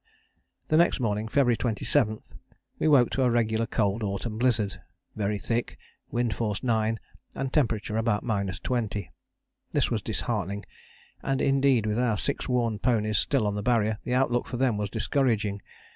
The next morning, February 27, we woke to a regular cold autumn blizzard very thick, wind force 9 and temperature about minus twenty. This was disheartening, and indeed with our six worn ponies still on the Barrier the outlook for them was discouraging.